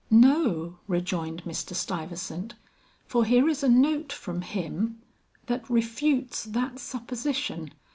"No," rejoined Mr. Stuyvesant, "for here is a note from him that refutes that supposition.